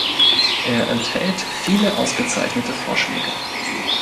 Er enthält viele ausgezeichnete Vorschläge.